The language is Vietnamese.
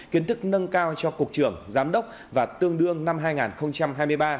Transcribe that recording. kiến thức nâng cao cho cục trưởng giám đốc và tương đương năm hai nghìn hai mươi ba